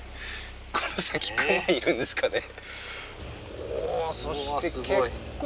この先熊いるんですかね？